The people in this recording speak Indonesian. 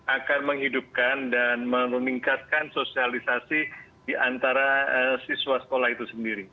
akan menghidupkan dan meningkatkan sosialisasi di antara siswa sekolah itu sendiri